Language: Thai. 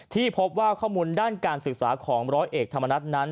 ที่พบว่าข้อมูลด้านการศึกษาของร้อยเอกธรรมนัฐนั้น